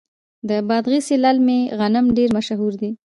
د بادغیس للمي غنم ډیر مشهور دي.